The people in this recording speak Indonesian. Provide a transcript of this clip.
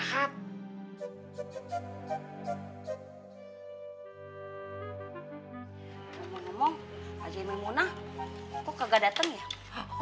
emang emang ajai mimunah kok kagak dateng ya